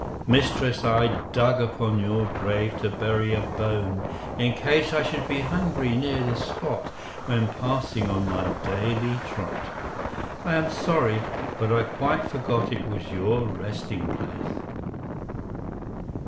"Mistress, I dug upon your grave To bury a bone, in case I should be hungry near this spot When passing on my daily trot. I am sorry, but I quite forgot It was your resting place."